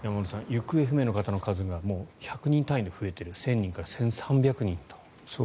行方不明の方の数１００人単位で増えている１０００人から１３００人と。